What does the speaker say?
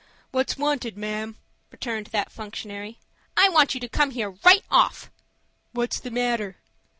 "What's wanted, ma'am?" returned that functionary. "I want you to come here right off." "What's the matter?"